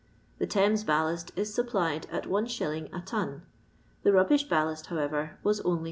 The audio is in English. The Thames ballast is sup plied at If. a ton ; the rubbish ballast, however, was only Zd.